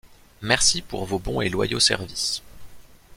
Merci pour vos bons et loyaux services.